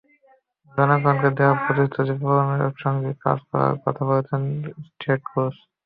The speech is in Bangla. জনগণকে দেওয়া প্রতিশ্রুতি পূরণে একসঙ্গে কাজ করার কথাও বলেছেন ট্রেড ক্রুজ।